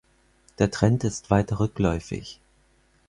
Der Trend ist weiter rückläufig.